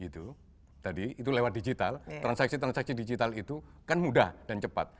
tadi itu lewat digital transaksi transaksi digital itu kan mudah dan cepat